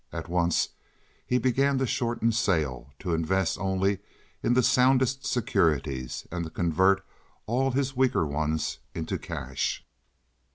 At once he began to shorten sail, to invest only in the soundest securities, and to convert all his weaker ones into cash.